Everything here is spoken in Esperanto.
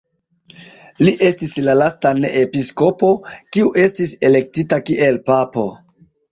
Li estis la lasta ne-episkopo, kiu estis elektita kiel papo.